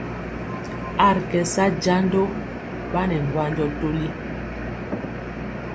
A ri kɛ sa jando ɓanɛ ŋgwanjɔ toli.